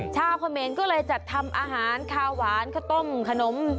เขมรก็เลยจัดทำอาหารคาวหวานข้าวต้มขนม